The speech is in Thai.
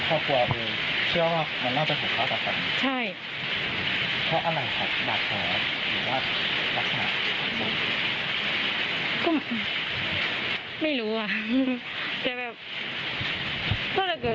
ถ้าเกิดบัตรอิทธิเงียตก็โดยต้องขี่รถไปรอบเอง